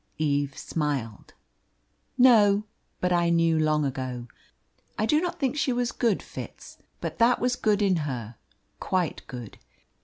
Eve smiled. "No; but I knew long ago. I do not think she was good, Fitz, but that was good in her quite good.